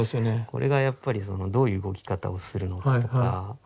これがやっぱりどういう動き方をするのかとか。